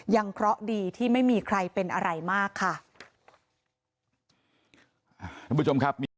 เคราะห์ดีที่ไม่มีใครเป็นอะไรมากค่ะ